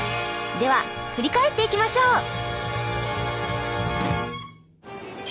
では振り返っていきましょう。